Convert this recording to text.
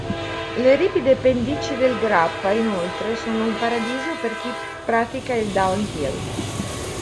Le ripide pendici del Grappa inoltre sono un paradiso per chi pratica il downhill.